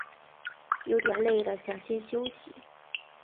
有点累了想先休息